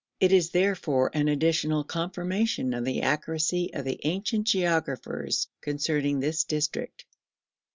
It is therefore an additional confirmation of the accuracy of the ancient geographers concerning this district.